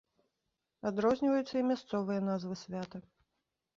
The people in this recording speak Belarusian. Адрозніваюцца і мясцовыя назвы свята.